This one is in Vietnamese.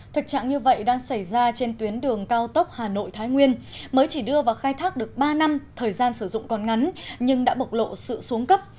thực trạng như vậy đang xảy ra trên tuyến đường cao tốc hà nội thái nguyên mới chỉ đưa vào khai thác được ba năm thời gian sử dụng còn ngắn nhưng đã bộc lộ sự xuống cấp